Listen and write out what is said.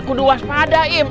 kuduwas pada im